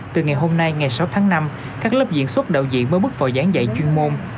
từ ngày hôm nay ngày sáu tháng năm các lớp diễn xuất đạo diễn mới bước vào gián dạy chuyên môn